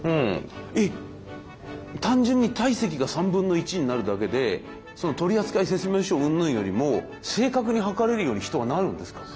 え単純に体積が３分の１になるだけで取り扱い説明書うんぬんよりも正確に測れるように人はなるんですか。